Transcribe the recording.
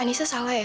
anissa salah ya